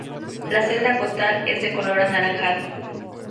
La celda costal es de color anaranjado.